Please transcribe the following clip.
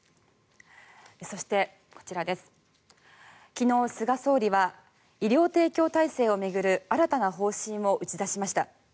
そして昨日、菅総理は医療提供体制を巡る新たな方針を打ち出しました。